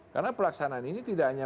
karena pelaksanaan ini tidak hanya